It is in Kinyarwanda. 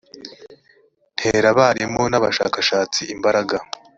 ntera abarimu n abashakashatsi imbaraga